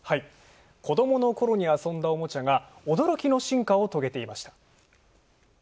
子どものころに遊んだおもちゃが驚きの進化を遂げていました。